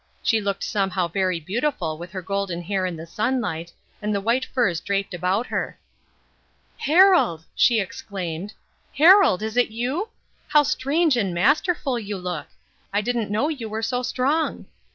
She looked somehow very beautiful with her golden hair in the sunlight, and the white furs draped about her. "Harold!" she exclaimed. "Harold, is it you? How strange and masterful you look. I didn't know you were so strong."